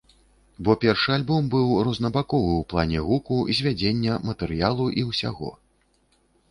Бо першы альбом быў рознабаковы ў плане гуку, звядзення, матэрыялу і ўсяго.